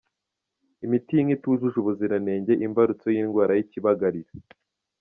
Imiti y’inka itujuje ubuziranenge imbarutso y’indwara y’ikibagarira